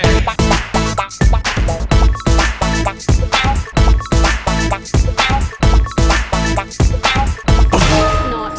โน๊ต